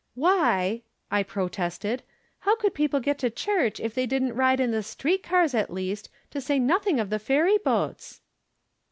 " Why," I protested, " how could people get to church if they didn't ride in the street cars, at least, to say nothing of the ferry boats